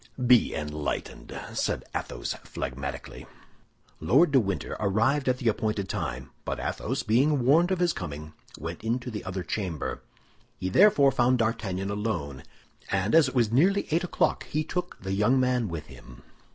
"Be enlightened!" said Athos, phlegmatically. Lord de Winter arrived at the appointed time; but Athos, being warned of his coming, went into the other chamber. He therefore found D'Artagnan alone, and as it was nearly eight o'clock he took the young man with him.